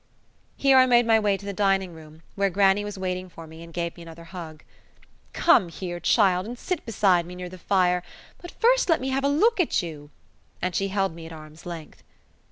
Here I made my way to the dining room, where grannie was waiting for me and gave me another hug. "Come here, child, and sit beside me near the fire; but first let me have a look at you," and she held me at arm's length.